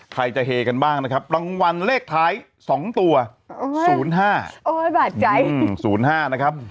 ใครจะเฮกันบ้างนะครับรางวัลเลขท้ายสองตัวศูนย์ห้าโอ้ยบาดใจศูนย์ห้านะครับ